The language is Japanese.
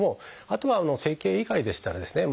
あとは整形以外でしたらですね